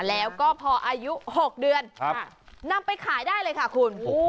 แล้วก็พออายุ๖เดือนนำไปขายได้เลยค่ะคุณ